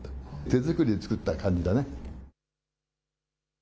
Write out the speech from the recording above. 手作りで作った感じだね。